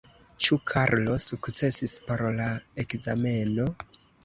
Ĉu Karlo sukcesis por la ekzameno?